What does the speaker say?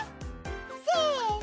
せの！